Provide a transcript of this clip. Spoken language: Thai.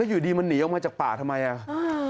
แล้วอยู่ดีมันหนีออกมาจากป่าทำไม